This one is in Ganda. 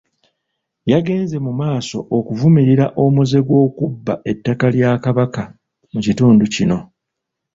Yagenze mumaaso okuvumirira omuze gw'okubba ettaka lya Kabaka mu kitundu kino.